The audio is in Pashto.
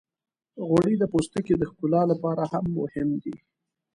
غوړې د پوستکي د ښکلا لپاره هم مهمې دي.